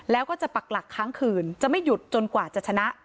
แล้วก็จะปักหลักค้างคืนจะไม่หยุดจนกว่าจะชนะ